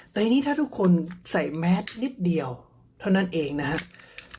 แต่ทีนี้ถ้าทุกคนใส่แมสนิดเดียวเท่านั้นเองนะครับ